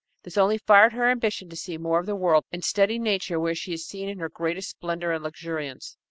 This only fired her ambition to see more of the world and study Nature where she is seen in her greatest splendor and luxuriance.